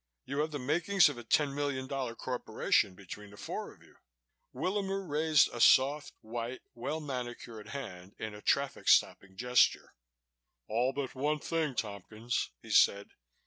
You have the makings of a ten million dollar corporation between the four of you." Willamer raised a soft, white, well manicured hand in a traffic stopping gesture. "All but one thing, Tompkins," he said.